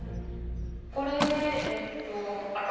これえっと。